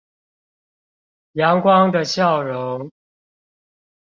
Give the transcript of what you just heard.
陽光的笑容